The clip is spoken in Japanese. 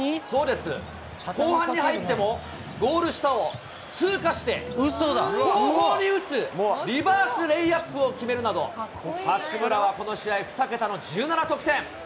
後半に入ってもゴール下を後方に打つ、リバースレイアップを決めるなど、八村はこの試合、２桁の１７得点。